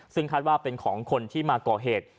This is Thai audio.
ซึ่งคาดว่าเป็นของคนที่มาก่อเหตุ